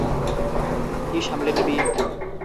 কী সামলে নিবি?